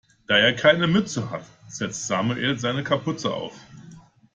Da er keine Mütze hat, setzt Samuel seine Kapuze auf.